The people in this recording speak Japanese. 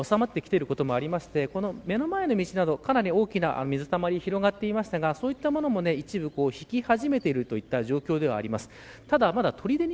かなり雨がおさまってきていることもあって、目の前の道などかなり大きな水たまりが広がっていましたがそういったものも一部、引き始めている状況です。